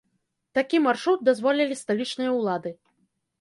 Такі маршрут дазволілі сталічныя ўлады.